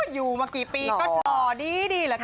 อยู่มากี่ปีก็หล่อดี